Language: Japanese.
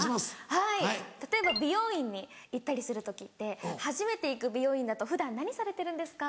はい例えば美容院に行ったりする時って初めて行く美容院だと「普段何されてるんですか？」。